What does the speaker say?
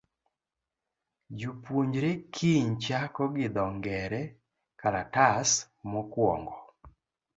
Jopuonjre kiny chako gi dho ngere kalatas mokwongo.